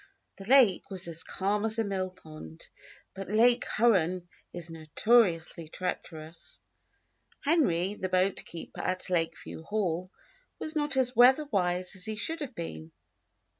The lake was as calm as a millpond; but Lake Huron is notoriously treacherous. Henry, the boatkeeper at Lakeview Hall, was not as weatherwise as he should have been.